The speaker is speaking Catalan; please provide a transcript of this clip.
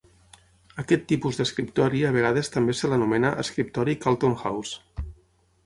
Aquest tipus d'escriptori a vegades també se l'anomena escriptori Carlton House.